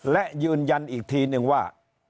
และยืนยันอีกทีนึงว่า